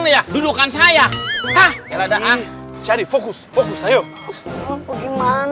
viladaan jadi fokus fokus sayang